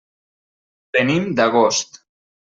Venim d'Agost.